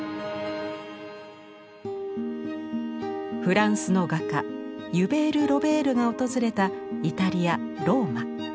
フランスの画家ユベール・ロベールが訪れたイタリアローマ。